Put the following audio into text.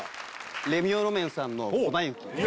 レミオロメンさんの「粉雪」